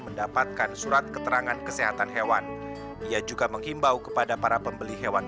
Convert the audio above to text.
mendapatkan surat keterangan kesehatan hewan ia juga menghimbau kepada para pembeli hewan